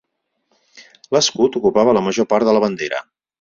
L'escut ocupava la major part de la bandera.